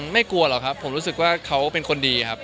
ไม่กลัวหรอกครับผมรู้สึกว่าเขาเป็นคนดีครับ